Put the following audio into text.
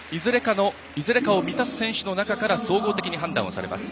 いずれかを満たす選手の中から総合的に判断されます。